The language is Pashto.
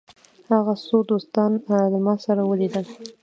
هغه څو دوستان له ما سره ولیدل.